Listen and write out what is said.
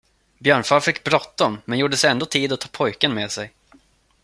Björnfar fick bråttom, men gjorde sig ändå tid att ta pojken med sig.